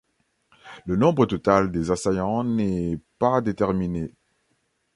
Le nombre total des assaillants n'est pas déterminé.